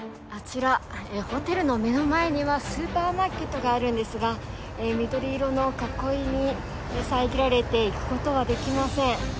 あちら、ホテルの目の前にはスーパーマーケットがあるんですが、緑色の囲いに遮られて、行くことはできません。